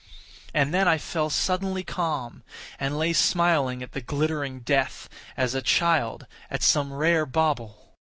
And then I fell suddenly calm, and lay smiling at the glittering death, as a child at some rare bauble.